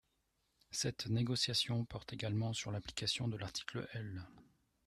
Cette négociation porte également sur l’application de l’article L